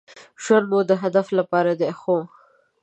ژوند مو د هدف لپاره دی ،خو